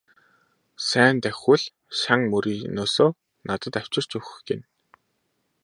Сайн давхивал шан мөрийнөөсөө надад авчирч өгөх гэнэ.